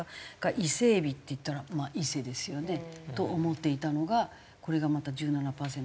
伊勢海老っていったら伊勢ですよね。と思っていたのがこれがまた１７パーセントか。